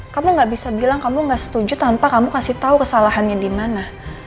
kamu gak bisa bilang kamu gak setuju tanpa kamu kasih tahu kesalahannya di mana